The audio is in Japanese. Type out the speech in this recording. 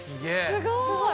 すごい！